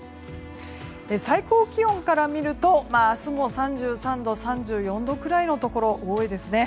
最高気温から見ると明日も３３度、３４度くらいのところ多いですね。